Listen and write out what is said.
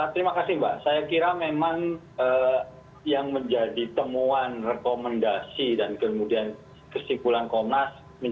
terima kasih mbak saya kira memang yang menjadi temuan rekomendasi dan kemudian kesimpulan komnas